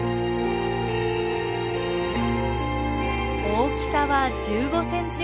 大きさは１５ｃｍほど。